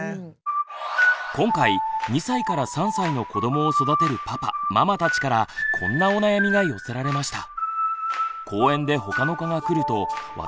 今回２歳３歳の子どもを育てるパパ・ママたちからこんなお悩みが寄せられました。